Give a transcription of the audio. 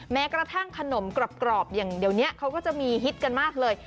แม้กระทั่งขนมกรอบอย่างเดี๋ยวนี้เขาก็จะมีฮิตกันมากเลย